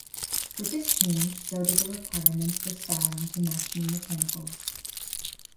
With this change so did the requirements for styling to match new mechanicals.